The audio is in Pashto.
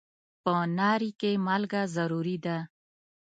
په ناري کې مالګه ضروري ده.